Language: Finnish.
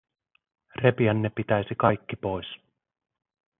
Repiä ne pitäisi kaikki pois.